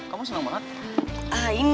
kamu senang banget